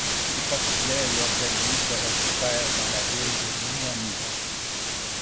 Les Portugais et leurs alliés se regroupèrent dans la ville de Luanda.